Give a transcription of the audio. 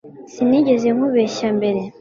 Sinigeze nkubeshya mbere